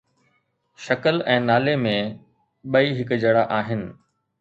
شڪل ۽ نالي ۾ ٻئي هڪجهڙا آهن